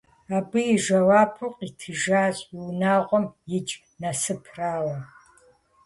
Абы и жэуапу къитыжащ, и унагъуэм икӀ Насыпрауэ.